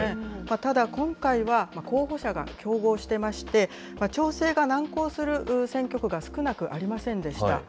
ただ、今回は、候補者が競合してまして、調整が難航する選挙区が少なくありませんでした。